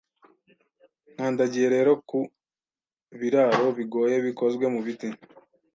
Nkandagiye rero ku biraro bigoye bikozwe mu biti